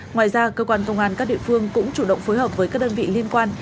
ngoài ra cơ quan công an các địa phương cũng chủ động phối hợp với các đơn vị liên quan